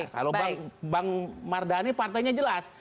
kalau bang mardhani partainya jelas